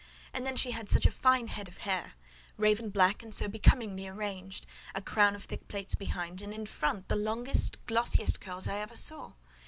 And then she had such a fine head of hair; raven black and so becomingly arranged: a crown of thick plaits behind, and in front the longest, the glossiest curls I ever saw.